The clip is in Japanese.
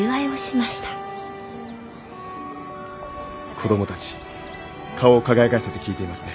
子どもたち顔を輝かせて聞いていますね。